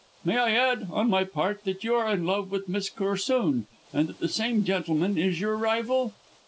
May I add, on my part, that you are in love with Miss Corsoon, and that the same gentleman is your rival?"